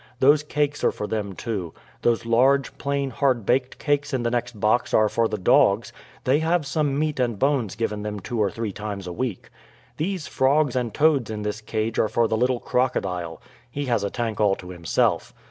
Those cakes are for them, too. Those large, plain, hard baked cakes in the next box are for the dogs; they have some meat and bones given them two or three times a week. These frogs and toads in this cage are for the little crocodile; he has a tank all to himself.